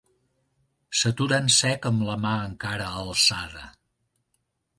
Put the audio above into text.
S'atura en sec amb la mà encara alçada.